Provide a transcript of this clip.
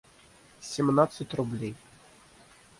семнадцать рублей